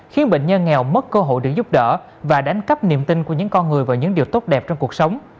khiến bệnh nhân nghèo mất cơ hội được giúp đỡ và đánh cắp niềm tin của những con người vào những điều tốt đẹp trong cuộc sống